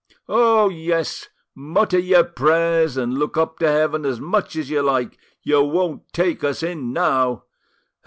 Oh yes, mutter your prayers and look up to heaven as much as you like, you won't take us in now.